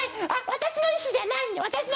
私の意思じゃないんで。